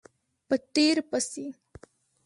په تېر پسې